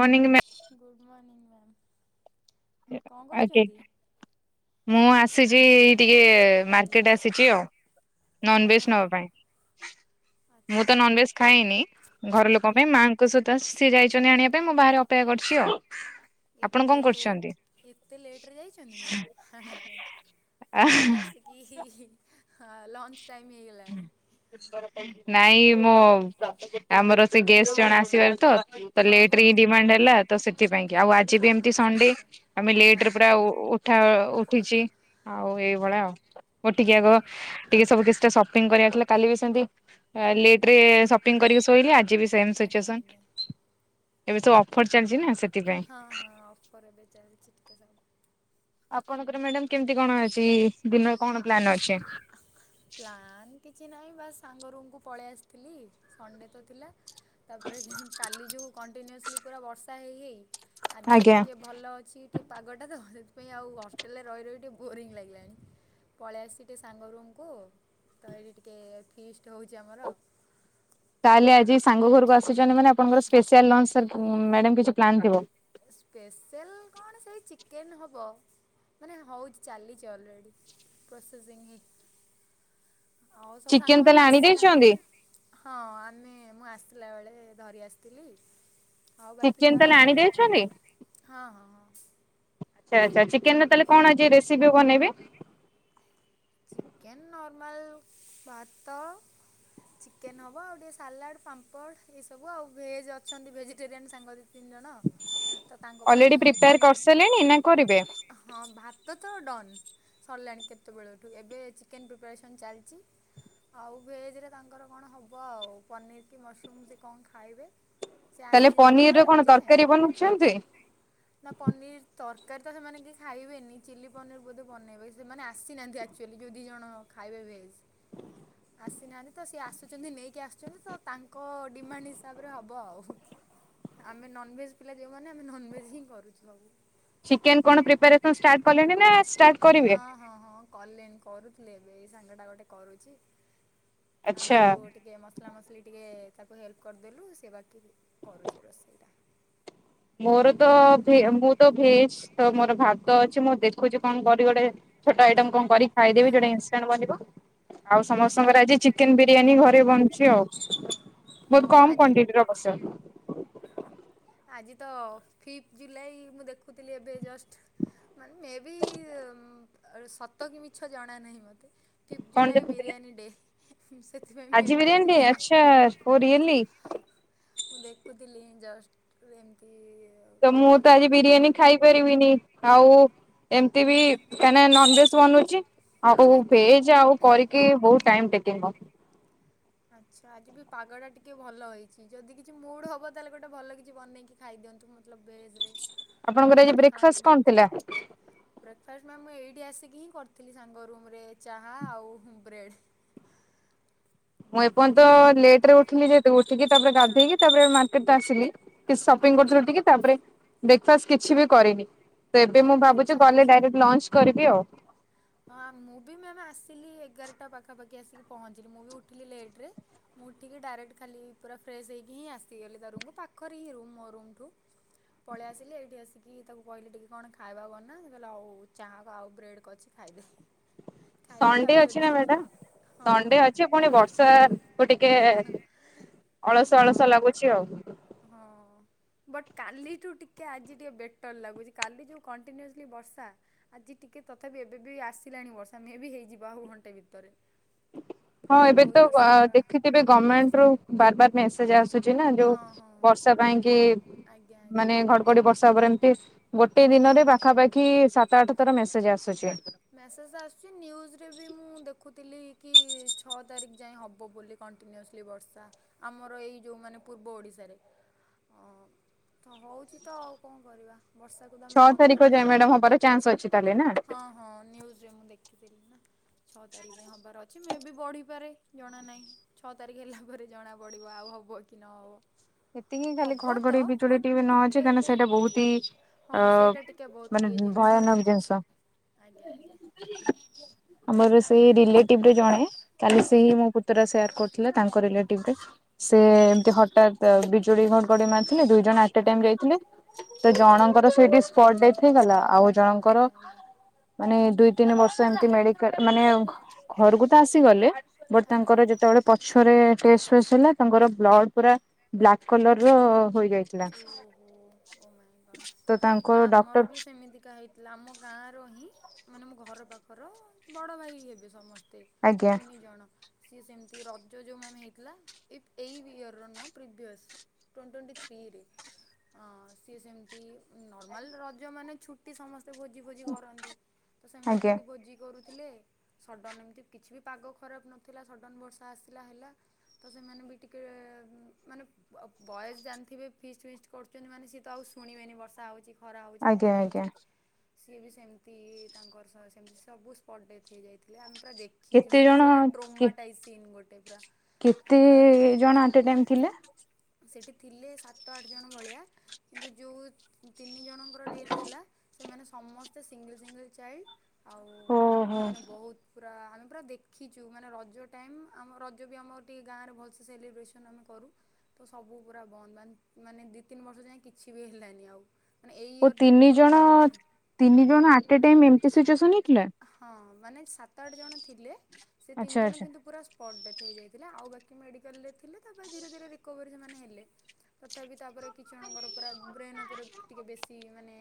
Morning ma'am good ମନିଂ ma'am. ଏ କଣ ଆଗେ କରୁଛନ୍ତି? ମୁଁ ଆସିଚି ଟିକେ ମାର୍କେଟ୍ ଆସିଚି ଆଉ। ନନଭେଜ୍ ନବା ଓହୋ ପାଇଁ ମୁଁ ଆଚ୍ଛା ତ ଆଚ୍ଛା ନନଭେଜ୍ ଖାଇନି ଘର ଲୋକଙ୍କ ଆଜ୍ଞା ପାଇଁ ମା କ ସଇତ ଆସ୍ ସିଏ ଯାଇଛନ୍ତି ଆଣିବା ପାଇଁ ମୁଁ ବାହାରେ ଅପେକ୍ଷା କରିଚି ଆଉ। ଆପଣ କଣ ଏତେ ଲେଟ୍ କରୁଛନ୍ତି? ଏତେ ଲେଟ୍ ରେ ଯାଇଚନ୍ତି ମ୍ୟାମ୍ ଆଣିବା ପାଇଁ ମାନେ ଏବେ ତ ଆସି କି ହି ହି ହ ଲଞ୍ଚ୍ ଟାଇମ୍ ହେଇଗଲାଣି। ନାଇଁ ମୋ ଆମର ସେ ଗେଷ୍ଟ୍ ଜଣେ ଆସିବେଲ୍ ତ ତ ଲେଟ୍ ଓହୋ ରେ ହିଁ ଡିମାଣ୍ଡ୍ ହେଲା ତ ସେଥିପାଇଁ। କି ଆଉ ଆଜି ବି ଏମତି ଆଚ୍ଛା ସଣ୍ଡେ ଆଚ୍ଛା ଆମେ ଲେଟ୍ ରେ ଆଜ୍ଞା ପୁରା ଉ ଆଜ୍ଞା। ଉଠା ଉଠିଚି। ଆଉ ଏଇ ଭଳିଆ ଆଉ ଉଠିକି ଏବ ବ ଆଚ୍ଛା ଆଚ୍ଛା ଟିକେ ସବୁ କିଛିଟା ସ ପିଂ କରିବାର ଥିଲା କାଲି ବି ସେନ୍ତି ଏଁ ଲେଟ୍ ରେ ସପିଂ କରିକି ଶୋଇଲି ଆ ଜି ବି ସେମ୍ ଆଜ୍ଞା ସିଚୁଏସନ୍ ଆଜ୍ଞା ଏବେ ସବୁ ଅଫର୍ ଚାଲିଚି ନାଁ ସେଥିପାଇଁ। ହଁ ହଁ ଅଫର୍ ଏବେ ଚାଲଚି ଟିକେ ସାଉ ଆପଣଙ୍କର ମ୍ୟାଡ଼ାମ୍ କେମତି କଣ ଅଛି, ଦିନରେ କଣ ପ୍ଲାନ୍ ଅଛି? ପ୍ଲାନ୍ କିଛି ନାହିଁ ବାସ୍ ସାଙ୍ଗ ରୁମ୍ କୁ ପଳେଇ ଆସିଥିଲି। ସଣ୍ଡେ ତ ଥିଲା। ତାପରେ କାଇଁ କାଲି ଯୋଉ କଣ୍ଟିନିଅସଲି ପୁରା ବର୍ଷା ହେଇ ହେଇ ଆଜି ଆଜ୍ଞା ଟିକେ ଭଲ ଅଛି ଟିକେ ପାଗଟା ତ ସେଥିପାଇଁ ଆଉ ହଷ୍ଟେଲ୍ ରେ ରହି ରହି ଟିଏ ବୋରିଂ ଲାଗିଲାଣି। ପଳିଆସଚି ଟିକେ ସାଙ୍ଗ ରୁମ୍ କୁ ତ ଏଇଠି ଟିକେ ଫିଷ୍ଟ୍ ହୋଉଚି ଆମର। ତାହେଲେ ଆଜି ସାଙ୍ଗ ଘରୁକୁ ଆସୁଚନ୍ତି ମାନେ ଆପଣଙ୍କର ସ୍ପେସିୟାଲ୍ ଲଞ୍ଚ୍ ସାର୍ ମ୍ୟାଡ଼ାମ୍ କିଛି ପ୍ଲାନ୍ ଥିବ। ସ୍ପେଶିଆଲ୍ କଣ ସେଇ ଚିକେନ୍ ହବ। ମାନେ ହଉଚି ଚାଲିଚି ଅଲରେଡ଼ି ପ୍ରସେସିଙ୍ଗ୍ ହେ ଆଉ ସବୁ ଚିକେନ ତାହେଲେ ସାଙ୍ଗମାନୋନ ଆଣି ଦେଇଛନ୍ତି ଆସିନାହାନ୍ତି। ହଁ ଆମେ ମୁଁ ଆସିଲା ବେଳେ ଧରି ଆସିଥିଲି ଆଉ ବାକି ଚିକେନ ଯା ତାହେଲେ ଆଣି ଦେଇଛନ୍ତି? ହଁ ହଁ ହଁ। ଆଛା ଆଛା ଚିକେନ ତାହେଲେ କଣ ଆଜି ରେସିପି ବନେଇବେ? ଚିକେନ୍ ନର୍ମାଲ ଭାତ ଚିକେନ ହେବ ଆଉ ଟିକେ ସାଲାଡ଼ ପାମ୍ପଡ଼ ଏସବୁ ଆଉ ଭେଜ୍ ଅଛନ୍ତି ଭେଜିଟେରିଆନ୍ ସାଙ୍ଗରେ। ତିନିଜଣ ତ ତାଙ୍କ ଅଲରେଡି ପାଇଁ ପ୍ରିପେୟାର ପନିର୍ କରିସାରିଲେଣି ନା କରିବେ? ହଁ ଭାତ ତ ଡନ୍ ସରିଲାଣି କେତେବେଳଠୁ ଏବେ ଚିକେନ୍ ପ୍ରିପାରେସନ୍ ଚାଲିଛି ଆଉ ଭେଜରେ ତାଙ୍କର କଣ ହେବ ଆଉ ପନିର୍ କି ମସରୁମ୍ ସେ କଣ ଖାଇବେ ସେ ତାହେଲେ ଆସି ନାହାନ୍ତି ପନିର ତ ର କଣ ଏ ତରକାରୀ ବନଉଛନ୍ତି? ଯାଏ। ନା ପନିର ତରକାରୀ ତ ସେମାନେ କିଏ ଖାଇବେନି ଚିଲ୍ଲି ପନିର ବୋଧେ ବନେଇବେ ସେମାନେ ଆସିନାହାନ୍ତି ଆ ଆକ୍ଚୁଆଲି ଦିଇ ଜଣ ଖାଇବେ ଭେଜ୍। ଆସିନାହାନ୍ତି ତ ସିଏ ଆସୁଛନ୍ତି ନେଇକି ଆସୁଛନ୍ତି ତ ତାଙ୍କ ଡିମାଣ୍ଡ ହିସାବରେ ହେବ ଆଉ। ଆମେ ନନଭେଜ୍ ପିଲା ଯେଉ ମାନେ ଆମେ ନନଭେଜ୍ ହିଁ କରୁଛୁ ସବୁ। ଚିକେନ କଣ ପ୍ରିପାରେସନ ଷ୍ଟାର୍ଟ କଲେଣି ନା ଷ୍ଟାର୍ଟ କରିବେ? ହଁ ହଁ। କଲେ କରୁଥିଲେ ଏବେ ଏଇ ସାଙ୍ଗ ଟା ଗୋଟେ କରୁଛି ଆମେ ଆଚ୍ଛା। ସବୁ ଟିକେ ମତ ମସଲା ମସଲି ଟିକେ ତାକୁ ହେଲ୍ପ କରିଦେଲୁ ସେ ବାକି କରୁଛି ରୋଷେଇଟା। ମୋର ତ ମୁଁ ତ ଭେଜ ତ ମୋର ଭାତ ଅଛି ମୁଁ ଦେଖୁଛି କଣ କରି ଗୋଟେ। ଛୋଟ ଆଇଟମ କଣ କରି ଖାଇଦବି ଯୋଉଟା ଇଷ୍ଟାଣ୍ଟ ବନିବ। ଆଉ ସମସ୍ତଙ୍କର ଆଜି ଚିକେନ ବିରିୟାନୀ ଘରେ ବନୁଛି ଆଉ ହଁ ବହୁତ କମ ଆଜି କ୍ଵାଣ୍ଟି ର। [unintelligible] ଆଜି ତ ଫିଫ୍ଥ ଜୁଲାଇ ମୁଁ ଦେଖୁଥିଲି ଏବେ ଜଷ୍ଟ। ମାନେ ମେ ବି ସତ କି ମିଛ ଜଣା ନାହିଁ ମତେ। ଫିଫ୍ଥ କଣ ଜୁଲାଇ ଦେଖୁଥିଲେ ବିରିୟାନୀ ଡେ। ସେଥିପାଇଁ ବେବି ଆଜି ବିରିୟାନୀ ସ୍ ଆଚ୍ଛା ଓ ରିଏଲି ମୁଁ ଦେଖୁଥିଲି ଜଷ୍ଟ ଏମିତି- ତ ମୁଁ ତ ଭିଡ଼ିଓଜ୍ ଆଜି ବିରିୟାନୀ ଫୋନ ଖାଇପାରିବିନି ଆଉ ଏମିତି ବି କାହିଁ ନା ନନଭେଜ- [unintelligible] ଆଜ୍ଞା ଭେଜ୍ ଆଉ କରିକି ବହୁତ୍ ଟାଇମ ଟେକିଙ୍ଗ ଆଚ୍ଛା ଆଜି ବି ପାଗଟା ଟିକେ ଭଲ ହେଇଛି ଯଦି କିଛି ମୁଡ ହବ ତାହେଲେ ଗୋଟେ ଭଲ କିଛି ବନେଇକି- ଖାଇଦିଅନ୍ତୁ ମତଲବ ବେଜ୍ରରେ। ଆପଣଙ୍କର ଆଜି ବ୍ରେକ୍ଫାଷ୍ଟ କଣ ଥିଲା? ବ୍ରେକ୍ଫାଷ୍ଟ ମ୍ୟାମ୍ ମୁଁ ଏଇଠି ଆସିକି ହିଁ କରିଥିଲି ସାଙ୍ଗ ରୁମ୍ରେ ଚାହା ଆଉ ବ୍ରେଡ଼୍। ମୁଁ ଏପର୍ଯ୍ୟନ୍ତ ଲେଟ ରେ ଉଠିଲି ଯେହେତୁ ଉଠିକି ତାପରେ ହଁ ଗାଧେଇକି ତାପରେ ମାର୍କେଟ ତ ଆସିଲି। କି ସପିଂ ଆଜ୍ଞା। କରୁଥିଲ ଟିକେ ତାପରେ ବ୍ରେକ୍ଫାଷ୍ଟ କିଛି ବି କରିନି। ତ ଏବେ ମୁଁ ଭାବୁଛି ଆଚ୍ଛା ଗଲେ ଆଚ୍ଛା। ଡାଇରେକ୍ଟ ଲଞ୍ଚ କରିବି ଆଉ। ହଁ ମୁଁ ବି ମ୍ୟାାମ ଆସିଲି ଏଗାରଟା ପାଖାପାଖି ଆସିକି ପହଞ୍ଚିଲି ମୁଁ ବି ଉଠିଲି ଲେଟରେ। ମୁଁ ଟିକି ଡାଇରେକ୍ଟ ଖାଲି ପୁରା ଫ୍ରେଶ୍ ହୋଇକିଁସିଗଲି ତା ରୁମକୁ ପାଖରେ ହିଁ ରୁମ୍ ମୋ ରୁମ୍ ଠୁ। ପଳେଇ ଆସିଲି ଏଇଠି ଆସିକି ତାକୁ କହିଲି ଟିକେ କଣ ଖାଇବା ବନା କହିଲା ହଉ ହଉ ଚାହା ଆଉ ବ୍ରେଡ଼୍ କରିଛି ଖାଇଇଦେ। ସଣ୍ଡେ ଅଛି ନା ମ୍ୟାଡ଼ାାମ ସଣ୍ଡେ ଅଛି ହଁ ପୁଣି ବର୍ଷାକୁ ଟିକେ ଅଳସ ଅଳସ ହଁ। ଲାଗୁଛି ଆଉ। ହଁ। ବଟ୍ କାଲିଠୁ ଟିକେ ଆଜି ଟିକେ ବେଟର୍ ଲାଗୁଛି କାଲି ଯେଉଁ କଣ୍ଟିନ୍ୟୁଅସ୍ଲି ବର୍ଷା। ଆଜି ଟିକେ ତଥାପି ଏବେ ବି ଆସିଲାଣି ବର୍ଷା ମେ ବି ହେଇଯିବ ଆଉ ଘଣ୍ଟେ ଭିତରେ। ହଁ ପୁଣି ଏବେ ବହୁତ ତ ଜୋରସେ ପୁରା ଦେଖିଥିବେ ଗମେଣ୍ଟ ରୁ ବାର ବାର ମେସେଜ ଆସୁଛି ନା ଯୋଉ ହଁ ହଁ ବର୍ଷା ପାଇଁ କି ଆଜ୍ଞା ଆଜ୍ଞା। ମାନେ ବର୍ଷା ଉପରେ ଏମିତି ଗୋଟେ ଦିନରେ ପାଖାପାଖି ସାତ ଆଠ ଥର ମେସେଜ ଆସୁଛି। ମେସେଜ ଆସୁଛି ନ୍ୟୁଜରେ ବି ମୁଁ ଦେଖୁଥିଲି କି ଛଅ ତାରିଖ ଯାଇ ହବ ବୋଲି। କଣ୍ଟିନ୍ୟୁଅସଲି ବର୍ଷା ଆମର ଏଇ ଯେଉଁମାନେ ପୂର୍ବ ଓଡ଼ିଶାରେ। ହଁ ତ ହଉଛି ତ ଆଉ କଣ କରିବା ବର୍ଷା ତ ଆମେ ଛଅ ବନ୍ଦ ତାରିଖ ଯାଏ ମ୍ୟାଡାମ କରିପାରିବାନି ହବାର ଚାନ୍ସ ଅଛି ତାହେଲେ ନା? ହଁ ହଁ ନ୍ୟୁଜରେ ମୁଁ ଦେଖିଥିଲି ନା। ଛଅ ତାରିଖ ଯାଏଁ ହବାର ଅଛି ମେ ବି ବଢିପାରେ ଜଣା ନାଇଁ। ଛଅ ତାରିଖ ହେଲା ପରେ ଜଣା ପଡିବ ଆଉ ହବ କି ନହବ। ଏତିକି ଖାଲି ଘଡଘଡି ବିଜୁଳି ଟିକେ ବି ନ ଅଛି ତା ହେନେ ସେଇଟା ବହୁତି ହଁ ଅ ସେଇଟା ଟିକେ ବହୁତ ମାନେ ଇଏ ଜିନିଷ। ଭୟାନକ ଜିନିଷ। ଆଜ୍ଞା ଆଜ୍ଞା ଆମର ସେଇ ରିଲେଟିଭ ରେ ଜଣେ କାଲି ସେଇ ଆଜ୍ଞା ମୋ ପୁ ତୁରା ସେୟାର କରୁଥିଲା ତାଙ୍କ ରିଲେଟିଭରେ ସେ ଏମତି ହଟାତ୍ ତ ବିଜୁଳି ଘଡଗଡି ମାରୁଥିଲେ ଦୁଇ ଜଣ ଆଟ ଟାଇମ୍ ଆଜ୍ଞା ଯାଇଥିଲେ ତ ଆଜ୍ଞା ଜଣଙ୍କର ସେଇଟି ସ୍ପଟ୍ ଡେଥ୍ ହେଇଗଲା ଆଉ ଜଣଙ୍କର ଆଜ୍ଞା ଆଜ୍ଞା ମାନେ ଦୁଇ ତିନି ବର୍ଷ ଏମତି ମେଡିକାଲ ମାନେ ଘ-ଘରକୁ ତ ଆସିଗଲେ ବଟ ତାଙ୍କର ଆଜ୍ଞା। ଯେତବେଳେ ପଛରେ ଟେଷ୍ଟପେସ୍ ହେଲା ତାଙ୍କର ବ୍ଲଡ ପୁରା ବ୍ଲାକ୍ କଲର ର ହୋଇଯାଇ ଓହୋ ଓ ମାଇଁ ଗଡ ତ ତାଙ୍କ ଡକ୍ଟର ଆମର ବି ସେମିତିକା ହେଇ ଆମ ଗାଁ ରୁ ହିଁ ମାନେ ମୋ ଘର ପାଖର ବଡ଼ ଭାଇ ହେବେ ସମ ସ୍ତେ ଆଜ୍ଞା ତିନି ଜଣ। ସିଏ ସେମିତି ରଜ ଯୋଉଁ ଆମେ ହେଇଥିଲା ଇ୍-ଏଇ ଇୟର ନୁଅଁ ପ୍ରିଭିଅସ୍ [unintelligible] ଥ୍ରି ରେ ହଁ ସିଏ ସେମିତି ନର୍ମାଲ ରଜ ମାନେ ଛୁ ଟି ସମସ୍ତେ ଭୋଜି ଫୋଜି କରନ୍ତି ତ ସେମାନେ ଆଜ୍ଞା ଏମିତି ଭୋଜି କରୁ ଥିଲେ ସଡ଼ନ ଏମିତି କିଛି ବି ପାଗ ଖରାପ ନଥିଲା ସଡ଼ନ ବର୍ଷା ଆସିଲା ହେଲା। ତ ସେମାନେ ବି ଟିକେ ଉଁ ମାନେ ବ-ବୟସ ଜା ଥିବେ ଫିଷ୍ଟ ଫିଷ୍ଟ କରୁଚନ୍ତି ମାନେ ସିଏ ତ ଆଉ ଶୁଣିବେନି ବର୍ଷା ହଉଚି ଖରା ହେଉଚି ଆଜ୍ଞା କଣ ଆଜ୍ଞା ହେଉଚି। ସିଏ ବି ସେମିତି ତାଙ୍କର ସହ ସେମିତି ସବୁ ସ୍ପଟ ଡେଥ ହେଇଯାଇ ଥିଲେ ଆମେ ପୁରା ଦେଖିଚୁ କେତେ ମାନେ ଜଣ ସେ ଗୋଟା କି ଡ୍ରୋମାଟାଇଜ ସିନ୍ ଗୋଟେ ପୁରା। ଆମେ କେତେ ପୁରା ଜଣ ଦେଖିଛୁ। ଆଟେ ଟାଇମ୍ ଥିଲେ? ସେଠି ଥିଲେ ସାତ ଆଠ ଜଣ ଭଳିଆ କିନ୍ତୁ ଯଉ ତିନି ଜଣଙ୍କର ଡେଥ୍ ହେଲା। ସେମାନେ ସମସ୍ତେ ସିଙ୍ଗଲ ସିଙ୍ଗଲ ଚାଇଲ୍ଡ ଓହୋ। ଆଉ ମାନେ ବହୁତ ପୁରା ଆମେ ପୁରା ଦେଖିଚୁ ମାନେ ରଜ ଟାଇମ ଆମ ରଜ ବି ଆମର ଟିକେ ଗାଁରେ ଭଲସେ ସେଲିବ୍ରେସନ୍ ଆମେ କରୁ। ତ ସବୁ ପୁରା ବନ୍ଦ ବାନ୍ଦ୍ ମାନେ ଦି ତିନି ବର୍ଷ ଯାଏ କିଛି ବି ହେଲାନି ଆଉ। ମାନେ ଏଇ ଓ ଇୟର ତିନି ଜାଣିକି ଟିକେ ଜଣ କରିଥିଲୁ। ତିନି ଜଣ ଆଟେ ଟାଇମ୍ ଏମତି ସିଚୁଏସନ ହେଇଥିଲା? ହଁ ମାନେ ସାତ ଆଠ ଜଣ ଥିଲେ ସେ ଆଚ୍ଛା ତିନି ଜଣ ଆଚ୍ଛା। କିନ୍ତୁ ପୁରା ସ୍ପଟ୍ ଡେଥ ହେଇ ଯାଇଥିଲା ଆଉ ବାକି ମେଡିକାଲରେ ଥିଲେ ତାପରେ ଧୀରେ ଧୀରେ ରିକୋଭରୀ ସେମାନେ ହେଲେ। ତଥାପି ତାପରେ କିଛି ଜଣଙ୍କର ପୁରା ବ୍ରେନ୍ ଉପରେ ଟିକେ ବେଶୀ ମାନେ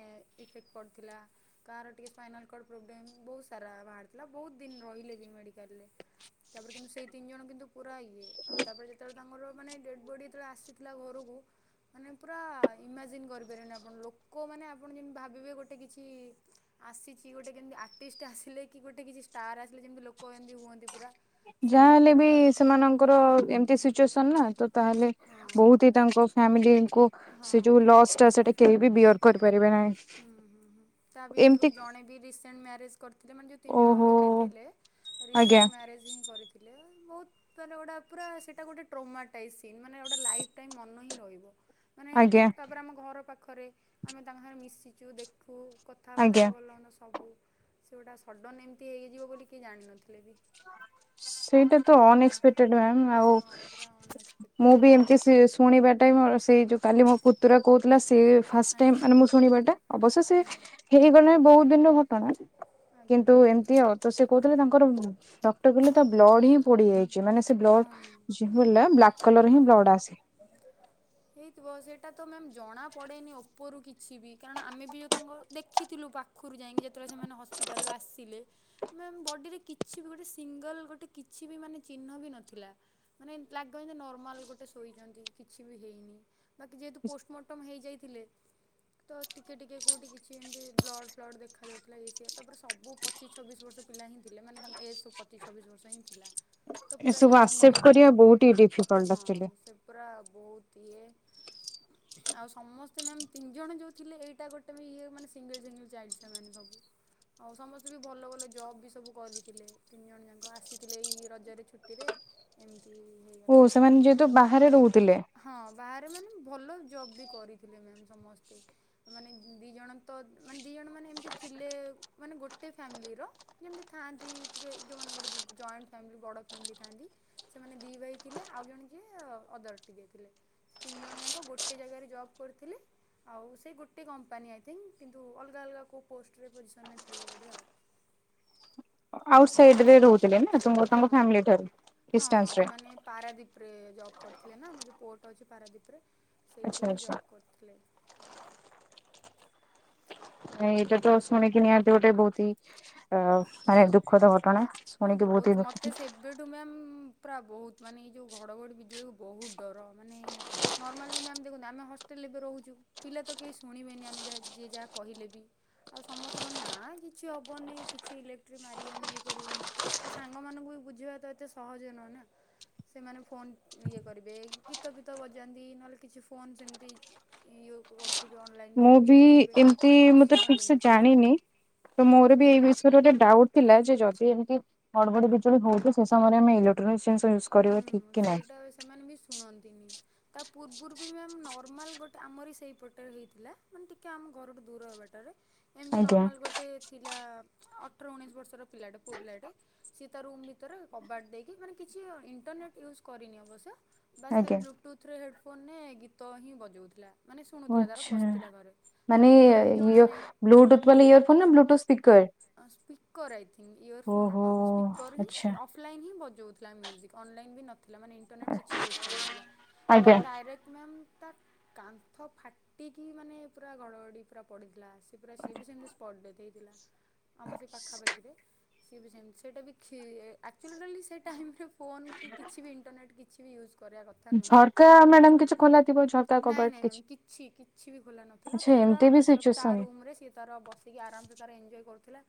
ଇଫେକ୍ଟ ପଡ଼ିଥିଲା। କାହାର ଟିକେ ସ୍ପାଇନାଲ କଡ଼ ପ୍ରୋବ୍ଲେମ୍ ବହୁତ ସାରା ବାହାରି ଥିଲା ବହୁତ ଦିନ ରହିଲେ ବି ମେଡିକାଲରେ ତାପରେ କିନ୍ତୁ ସେଇ ତିନି ଜଣ କିନ୍ତୁ ପୁରା ଇଏ ଆଉ ତାପରେ ଯେତେବେଳେ ତାଙ୍କର ମାନେ ଡେଡ଼୍ ବଡ଼ି ଯେତବେଳେ ଆସିଥିଲା ଘରୁକୁ ମାନେ ପୁରା ଇମାଜିନ୍ କରିପାରିବେନି ଆପଣ ଲୋକମାନେ ଆପଣ ଯେମିତି ଭାବିବେ ଗୋଟେ କିଛି ଆସିଚି ଗୋଟେ କେମିତି ଆର୍ଟିଷ୍ଟ ଆସିଲେ କି ଗୋଟେ କିଛି ଷ୍ଟାର୍ ଆସିଲେ ଯେମିତି ଲୋକ ଏମିତି ହୁଅନ୍ତି ପୁରା। ଯାହା ହେଲେ ସେମିତିକାର ବି ପୁରା ଲୋକ ସେମାନଙ୍କ ତାଙ୍କର ଏମିତି ସିଚୁଏସନ ନା ତ ତାହେଲେ ହଁ ବହୁତ ହି ତାଙ୍କ ଫ୍ୟାମିଲିଙ୍କୁ ହଁ ସେ ଯୋଉ ହଁ। ଲସ୍ ଟା ସେଟା କେହି ବି ବିୟର କରିପାରିବେ ନାହିଁ। ହୁଁ ହୁଁ ହୁଁ ତା ଭିତରୁ ଏମିତି ଜଣେ ବି ରିସେଣ୍ଟ ମ୍ୟାରେଜ କରିଥିଲେ ମାନେ ଯଉ ତିନି ଓହୋ ଜଣଙ୍କ ଡେଥ୍ ହେଲେ ଆଜ୍ଞା ରିସେଣ୍ଟ ମ୍ୟାରେଜ୍ ହିଁ କରିଥିଲେ ବହୁତ [unintelligible] ଗୋଟା ପୁରା ସେଇଟା ଗୋଟେ ଟ୍ରୋମାଟାଇ ସିନ୍ ମାନେ ଗୋଟେ ଲାଇଫ ଟାଇମ୍ ମନ ହିଁ ରହିବ ମାନେ ଆଜ୍ଞା। ତା ପରେ ଆମ ଘର ପାଖରେ ଆମେ ତାଙ୍କ ସାଙ୍ଗରେ ମିଶିଚୁ ଦେଖୁ କ ଆଜ୍ଞା। କଥାବାର୍ତ୍ତା ଭଲ ଲାଗୁନି ସବୁ ସେଗୁଡା ସଡ଼ନ ଏମିତି ହେଇଯିବ ବୋଲି କିଏ ଜାଣିନଥିଲେ ବି। ସେଇଟା ତ ଏଇଟା ଅନଏକ୍ସପେରେଡ ମ୍ୟାମ୍ ଆଉ ହଁ ପୁରା ମୁଁ ଅନଏକ୍ସପେକ୍ଟେଡ଼୍ ବି ହିଁ ଏମତି ସି ଶୁଣିବାଟାଇ ମୋର ସେଇ ଯଉ କାଲି ମୋ ପୁତୁରା କଉଥୁଲା ସେ ଫାସ୍ ଆଜ୍ଞା ଟାଇମ୍ ମାନେ ମୁଁ ଆଜ୍ଞା ଶୁଣିବା ଟା ଅବଶ୍ୟ ସେ ଆଜ୍ଞା ହେଇଗଲା ବହୁତ ଦିନ ହ [unintelligible] ଆଜ୍ଞା କିନ୍ତୁ ଏମିତି ଆଉ ତ ସେ କଉଥିଲେ ତାଙ୍କର ଡକ୍ଟର କହିଲେ ତା ବ୍ଲଡ ହିଁ ପୋଡିଯାଇଚି ମାନେ ସେ ହଁ ବ୍ଲଡ ଜ ହେଲା ବ୍ଲାକ୍ କଲର ହଁ ହିଁ ବ୍ଲଡ ହଁ ଆସେ। ହେଇଥିବ ସେଇଟା ତ ମ୍ୟାମ୍ ଜଣାପଡ଼େନି ଓପରୁ କିଛି ବି କାରଣ ଆମେ ବି ଯଉ ତାଙ୍କର ଦେଖିଥିଲୁ ପା ପାଖରୁ ଯାଇକି ଯେତେବେଳେ ସେମାନେ ହସ୍ପିଟାଲରୁ ଆସିଲେ। ମେମ୍ ବଡି ରେ କିଛି ବି ଗୋଟେ ସିଙ୍ଗଲ ଗୋଟେ କିଛି ବି ମାନେ ଚିହ୍ନ ବି ନାହିଁ। ନଥିଲା ମାନେ ଲାଗ ନର୍ମାଲ ଗୋଟେ ଶୋଇଛନ୍ତି କିଛି ବି ହେଇନି। ବାକି ଯେହେତୁ ପୋଷ୍ଟମର୍ଟମ ହେଇଯାଇଥିଲେ ତ ଟିକେ ଟିକେ କୋଉଠି କିଛି ଏମିତି ବ୍ଲଡ ଫ୍ଲଡ଼ ଦେଖାଯାଉଥିଲା ଇଏ ସିଏ ତାପରେ ସବୁ ପଚିଛି ଛବିଶି ବର୍ଷ ପିଲା ହିଁ ଥିଲେ ମାନେ ତାଙ୍କ ଏଜ ସବୁ ପଚିଶ ଛବିଶ ବର୍ଷ ହିଁ ଥିଲା। ତ ପୁରା ଏସବୁ ୟଙ୍ଗ ଆକ୍ସେପ୍ଟ ବି କରିବା ବହୁତ ହି ଡିଫିକଲ୍ଟ ହଁ ଆକ୍ଚୁଆଲି ସେ ପୁରା ବହୁତ ଇଏ [inaudible] ଆଉ ସମସ୍ତେ ମ୍ୟାମ୍ ତିନି ଜଣ ଯୋଉ ଥିଲେ ଏଇଟା ଗୋଟେ ବି ଇୟେ ମାନେ ସୀଙ୍ଗେଲ ସିଙ୍ଗେଲ ଚାଇଲ୍ଡ ସେମାନେ ସବୁ। ଆଉ ସମସ୍ତେ ବି ଭଲ ଭଲ ଜବ୍ ବି ସବୁ କରିଥିଲେ ତିନି ଜଣ ଯାକ ଆସିଥିଲେ ଏଇ ରଜରେ ଛୁଟି ଟିରେ ଏମିତି ଓ ହେଇଗଲା। ସେମାନେ ଯେହେତୁ ବାହାରେ ରହୁଥିଲେ ହଁ ବାହାରେ ମାନେ ଭଲ ଜବ ବି କରିଥିଲେ ମ୍ୟାମ୍ ସମସ୍ତେ। ମାନେ ଦୁଇ ଜଣ ତ ମାନେ ଦୁଇ ଜଣ ମାନେ ଏମିତି ଥିଲେ ମାନେ ଗୋଟେ ଫ୍ୟାମିଲିର ଯେମିତି ଥାଆନ୍ତି ଟିକେ ଯୋଉ ମାନଙ୍କର ଜଏଣ୍ଟ ଫ୍ୟାମିଲି ବଡ ଫାମିଲି ଥାନ୍ତି ସେମାନେ ଦି ଭାଇ ଥିଲେ ଆଉ ଜଣେ କିଏ ଅଦର ଟିକେ ଥିଲେ। ତିନି ଜଣ ଯାକ ଗୋଟେ ଜାଗାରେ ଜବ୍ କରୁଥିଲେ। ଆଉ ସେ ଗୋଟେ କମ୍ପାନୀ ଆଇ ଥିଙ୍କ୍ କିନ୍ତୁ ଅଲଗା ଅଲଗା କେଉଁ ପୋଷ୍ଟରେ ପୋଜିସନ୍ରେ ଥିଲେ ବୋଧେ ଆଉ। ହଁ ଆଉଟ୍ ସାଇଡ ରେ ରହୁଥିଲେ ନା ଫାମିଲ ଠାରୁ ହଁ ହଁ ଡିଷ୍ଟାନ୍ସ ରେ ସେମାନେ ପାରାଦୀପରେ ଜବ୍ କରିଥିଲେ ନା ଆମର ଯେଉଁ ପୁଅଟ ଅଛି ପାରାଦୀପରେ। ଆଚ୍ଛା ସେଇଠି ହିଁ ଆଚ୍ଛା ଜବ୍ କରୁଥିଲେ। ଏଇଟା ତ ଏଇଆ ଆଉ। ଶୁଣିକି ନିହାନ୍ତି ଗୋଟେ ବହୁତ ଅ ମାନେ ଦୁଃଖଦ ଘଟଣା ଶୁଣିକି ବହୁତ ହିଁ ଦୁଃଖ। ଏବେଠୁ ମ୍ୟାମ୍ ପୁରା ବହୁତ ମାନେ ଏଇ ଯେଉଁ ଘଡ଼ଘଡ଼ି ବିଜୁଳିକୁ ବହୁତ ଡର ମାନେ ନର୍ମାଲ ବି ମ୍ୟାମ୍ ଦେଖନ୍ତୁ ଆମେ ହଷ୍ଟେଲରେ ଏବେ ରହୁଛୁ। ପିଲା ତ କେହି ଶୁଣିବେନି ଆମେ ଯାହା ଯିଏ ଯାହା କହିଲେ ବି। ଆଉ ସମସ୍ତଙ୍କ ନାଁ କିଛି ହବନି। କିଛି ଇଲେକ୍ଟ୍ରି ମାରିବନି ଇଏ କରିବନି ତ ସାଙ୍ଗମାନଙ୍କୁ ବି ବୁଝିବା ତ ଏତେ ସହଜ ନୁହେଁ ନା ସେମାନେ ଫୋନ୍ ଇଏ କରିବେ ଗୀତ ଫିତ ବଜାନ୍ତି ନହେଲେ କିଛି ଫୋନ୍ ସେମିତି [unintelligible] ଥିବେ ଅନଲାଇନ୍। ମୁଁ ଥିବେ ବି ଇଏ କରୁଥିବେ ଏମିତି ସେମାନେ ମୁଁ ତ ଠିକ ଶୁଣନ୍ତିନି ସେ କେହି କେବେ ଜାଣିନି ତ ମୋର ବି ଏଇ ଆଜ୍ଞା ବିଷ ସେ ଗୋଟେ ଡାଉଟ ଥିଲା ଯେ ଯଦି ଏମିତିଡଘଡି ବ ବିଜୁଳି ହଉଛି ସେ ସମୟରେ ଆମେଲେକ୍ଟ୍ରୋନିକ ହୁଁ ସେଇଟା ସେମାନେ ବି ଶୁଣନ୍ତିନି। ତା ପୂର୍ବରୁ ବି ମ୍ୟା ନର୍ମାଲ ଗୋଟେ ଆମର ସେଇ ପଟରେ ହେଇଥିଲା ମାନେ ଟିକେ ଆମ ଘରଠୁ ଦୂର ହେବା ବାଟେ। ଏମିତି ଆଜ୍ଞା ନର୍ମାଲ ଗୋଟେ ଥିଲା ଅଠର ଉଣେଇଶ ବର୍ଷର ପିଲାଟେ ପୁଅ ପିଲାଟେ ସିଏ ତା ରୁମ ଭିତରେ କବାଟ ଦେଇକି ମାନେ କିଛି ଇଣ୍ଟରନେଟ୍ ୟୁଜ କରିନି ଅବଶ୍ୟ ବାସ୍ ଖାଲି ଆଜ୍ଞା। ବ୍ଲୁଲ ଟୁଥ୍ର ହେଡ଼୍ଫୋନ୍ରେ ଗୀତ ହିଁ ବଜାଉଥିଲା। ମାନେ ଶୁଣୁଥିଲା ତାର ଆଚ୍ଛା। ବସିଥିଲା ଘରେ ମାନେ ତାକୁ ଟୋଟାଲ ଜଣା ଇଏ ନାହିଁ। ବ୍ଲୁଟୁଥ ବାଲା ଇୟର ଫୋନ ନା Bluetooth speaker? Speaker I think earphone ଓହୋ ନୁହଁ ସ୍ପିକର ହିଁ ଆଚ୍ଛା। ଅଫ୍ଲାଇନ୍ ହିଁ ବଜାଉଥିଲା ମ୍ୟୁଜିକ୍ ଅନଲାଇନ୍ ବି ନଥିଲା ମାନେ ଇଣ୍ଟରନେଟ୍ କିଛି ବି ୟୁଜ୍ କରୁନଥିଲା ଆଜ୍ଞା ପୁରା ଡାଇରେକ୍ଟ ମ୍ୟାମ୍ ତା କାନ୍ଥ ଫା ଟିକି ମାନେ ପୁରା ଘଡ଼ଘଡି ପୁରା ପଡ଼ିଥିଲା ସିଏ ପୁରା ସିଏ ବି ସେମିତି ସ୍ପଟ୍ ଡେଥ୍ ହେଇଥିଲା। ଆମ ସେଇ ପାଖାପାଖିରେ ସିଏ ବି ସେମିତି ସେଇଟା ବି କ୍ଷ ଆକ୍ଚୁଆଲି ଡାଲି [unintelligible] ସେ ଟାଇମ୍ ରେ ଫୋନ୍ କି କିଛି ବି ଇଣ୍ଟରନେଟ କିଛି ବି ୟୁଜ୍ କରିବା କଥା ନୁହଁ ଝରକା ମ୍ୟାଡାମ ନାଇଁ, କିଛି ଖୋଲା ଥିବ ଝରକା ନାଇଁ କବାଟ ମ୍ୟାମ [unintelligible] କିଛି କିଛି ବି ଖୋଲା ନ ଥିଲା ଆଚ୍ଛା ପୁରା ଏମିତି ବି ମତଲବ ତା ସିଚୁଏସନ ରୁମ ରେ ସିଏ ତାର ବସିକି ଆରାମ ସେ ତାର ଏଞ୍ଜୟ କରୁଥିଲା।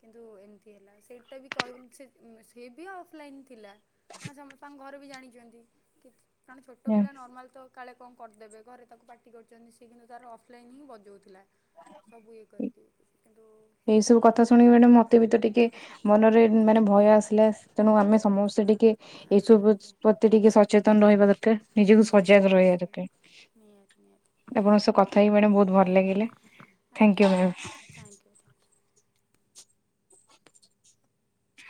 କିନ୍ତୁ ଏମିତି ହେଲା ସେଇଟା ବି କହିବୁନି ସେ-ସେ ବି ଅଫଲାଇନ୍ ଥିଲା। କାରଣ ସମ୍ ତାଙ୍କ ଘରେ ବି ଜାଣିଛନ୍ତି କି କା ଛୋଟ ପିଲା ନର୍ମାଲ ତ କାଳେ କଣ କରିଦେବେ ଘରେ ତାକୁ ପାଟି କରୁଛନ୍ତି ସେ କିନ୍ତୁ ତାର ଅଫଲାଇନ୍ ହିଁ ବଜାଉଥିଲା। ସବୁ ଇଏ କରିକି କିନ୍ତୁ ଏଇ ହେଲା ସବୁ ଏମିତି କଥା ଶୁଣିକି ମ୍ୟାଡ଼ାମ ମତେ ବି ତ ଟିକେ ମନରେ ମାନେ ଭୟ ଆସିଲା ତେଣୁ ଆମେ ସମସ୍ତେ ଟିକେ ଆଜ୍ଞା ଏଇସବୁ ଆଜ୍ଞା। ପ ତି ଟିକେ ସଚେତନ ରହିବା ଦରକାର। ନିଜକୁ ନିହାତି ସଜାଗ ରହିବା ନିହାତି ଦରକାର। ନିହାତି ନିହାତି ଆପଣଙ୍କ ସହ କଥା ହେଇକି ମ୍ୟାଡମ୍ ବହୁତୁ ଭଲ ଲାଗିଲା। Thank you ma'am. Thank you. ଁ ହ